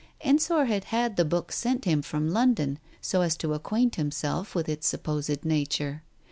Ensor had had the book sent him from London, so as to acquaint himself with its supposed nature.